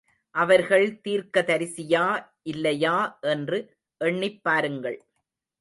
அவர்கள் தீர்க்கதரிசியா இல்லையா என்று எண்ணிப் பாருங்கள்.